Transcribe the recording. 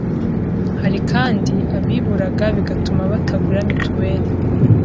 Hari kandi abiburaga bigatuma batagura mituweli